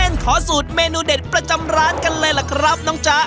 เล่นขอสูตรเมนูเด็ดประจำร้านกันเลยน้องจ๊ะ